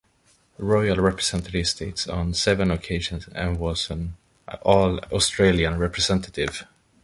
Royal represented his state on seven occasions and was an All-Australian representative.